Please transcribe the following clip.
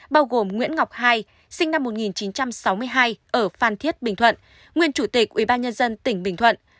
bao gồm nguyễn ngọc hai sinh năm một nghìn chín trăm sáu mươi hai ở phan thiết bình thuận nguyên chủ tịch ubnd tỉnh bình thuận